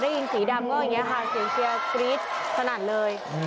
พอได้ยินสีดำก็อย่างเงี้ยค่ะเสียงเชียร์กรี๊ดสนั่นเลย